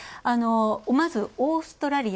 まず、オーストラリア。